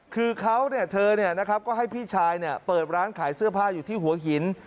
คือเขาเธอก็ให้พี่ชายเปิดร้านขายเสื้อผ้าอยู่ที่หัวหิน